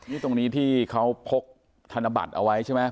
นี่ตรงนี้ที่เขาพกธนบัตรเอาไว้ใช่ไหม